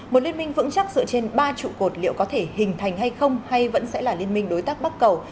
một liên minh vững chắc dựa trên ba trụ cột liệu có thể hình thành hay không hay vẫn sẽ là liên minh đối tác bắc cầu